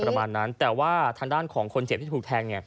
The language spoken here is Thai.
ประมาณนั้นแต่ว่าทางด้านของคนเจ็บที่ถูกแทง